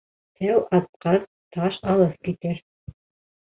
Тәү атҡан таш алыҫ китер.